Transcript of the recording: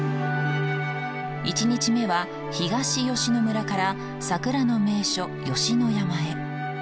１日目は東吉野村から桜の名所吉野山へ。